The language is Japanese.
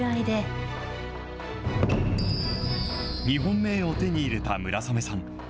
日本名を手に入れた村雨さん。